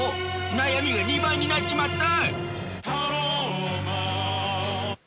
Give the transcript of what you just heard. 悩みが２倍になっちまった！